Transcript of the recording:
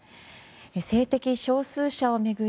性的少数者を巡り